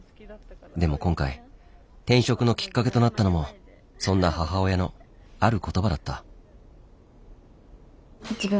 でも今回転職のきっかけとなったのもそんな母親のある言葉だった。